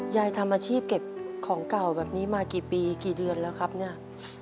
ยายทำอาชีพเก็บของเก่าแบบนี้มากี่ปีกี่เดือนแล้วครับเนี่ย